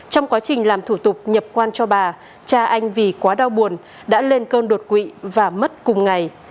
trong quá trình làm thủ tục nhập quan cho bà cha anh vì quá đau buồn đã lên cơn đột quỵ và mất cùng ngày